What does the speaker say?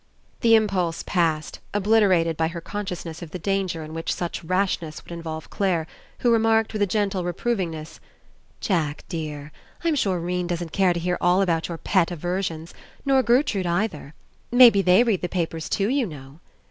70 ENCOUNTER The impulse passed, obliterated by her consciousness of the danger in which such rash ness would involve Clare, who remarked with a gentle reprovingness : "Jack dear, I'm sure 'Rene doesn't care to hear all about your pet aversions. Nor Gertrude either. Maybe they read the papers too, you know."